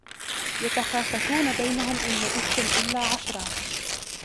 يتخافتون بينهم إن لبثتم إلا عشرا